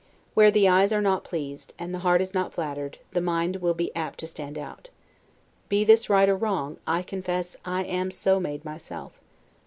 Where the eyes are not pleased, and the heart is not flattered, the mind will be apt to stand out. Be this right or wrong, I confess I am so made myself.